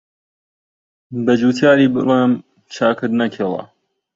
بەجوتیاری بڵێم چاکت نەکێڵا